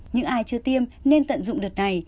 những ai chưa tiêm nên tận dụng đợt này